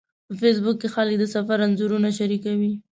په فېسبوک کې خلک د سفر انځورونه شریکوي